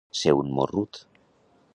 Ser un morrut.